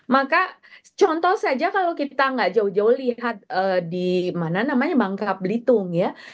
maka contoh saja kalau kita nggak jauh jauh lihat di mana namanya bangka belitung ya